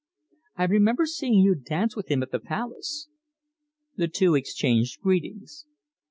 I remember seeing you dance with him at the Palace." The two exchanged greetings.